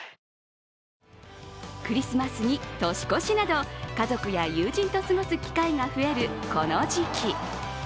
クリスマスに年越しなど、家族や友人と過ごす機会が増えるこの時期。